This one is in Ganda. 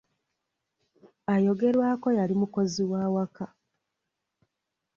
Ayogerwako yali mukozi wa waka.